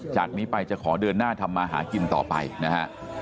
จากนี้ไปจะขอเดินหน้าทำมาหากินต่อไปนะฮะ